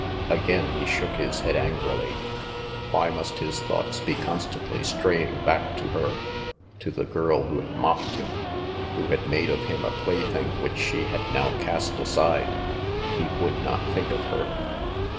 Again he shook his head angrily. Why must his thoughts be constantly straying back to her, to the girl who had mocked him, who had made of him a plaything which she had now cast aside? He would not think of her.